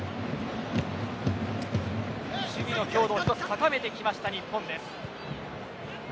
守備の強度を一つ高めてきました日本です。